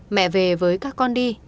mẹ về với các con đi